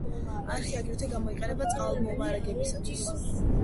არხი აგრეთვე გამოიყენება წყალმომარაგებისათვის.